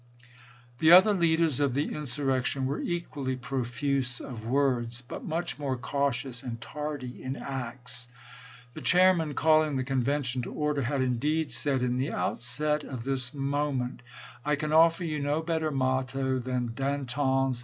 The other leaders of the insurrection were equally profuse of words, but much more cautious and tardy in acts. The chairman, calling the convention to order, had indeed said, " In the outset of this move ment I can offer you no better motto than Danton's of tSeCon.